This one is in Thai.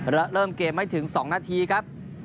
และเริ่มเกมไม่ถึง๒นาทีครับ